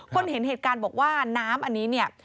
คนเห็นเหตุการณ์บอกว่าน้ำอันนี้เนี่ย